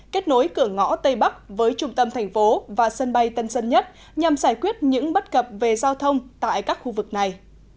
kết nối cửa ngõ tây bắc với trung tâm thành phố và sân bay tân sơn nhất nhằm giải quyết những bất cập về giao thông tại các khu vực này